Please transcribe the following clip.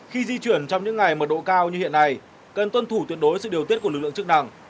khi di chuyển trong những ngày mật độ cao như hiện nay cần tuân thủ tuyệt đối sự điều tiết của lực lượng chức năng